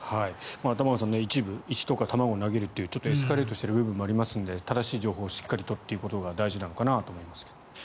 玉川さん、一部石とか卵を投げるというエスカレートしている部分もあるので正しい情報をしっかりとということが大事なのかなと思います。